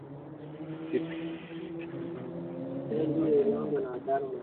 Wakuu wa Mkoa walioongoza Mkoa wa Manyara